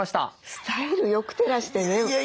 スタイルよくてらしてね。